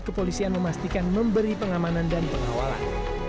kepolisian memastikan memberi pengamanan dan pengawalan